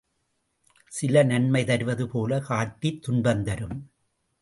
சில நன்மை தருவது போலக் காட்டி துன்பம் தரும்.